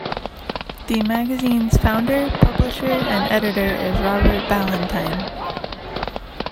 The magazine's founder, publisher and editor is Robert Ballantyne.